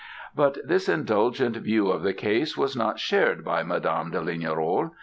"But this indulgent view of the case was not shared by Madame de Lignerolles.